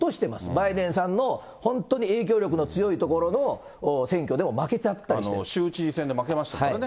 バイデンさんの本当に影響力の強い所の選挙でも負けちゃったりし州知事選で負けましたからね。